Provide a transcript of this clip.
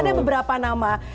ada beberapa nama